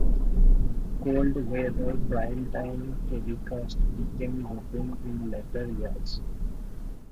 Cold weather prime time telecasts became routine in later years.